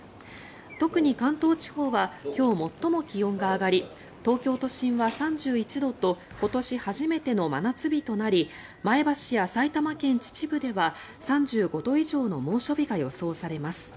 特に関東地方は今日、最も気温が上がり東京都心は３１度と今年初めての真夏日となり前橋や埼玉県秩父では３５度以上の猛暑日が予想されます。